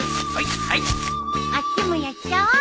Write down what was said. あっちもやっちゃおう！